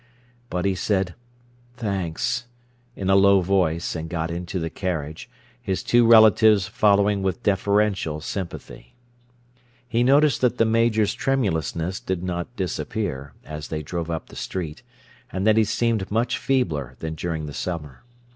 But he said "Thanks," in a low voice, and got into the carriage, his two relatives following with deferential sympathy. He noticed that the Major's tremulousness did not disappear, as they drove up the street, and that he seemed much feebler than during the summer.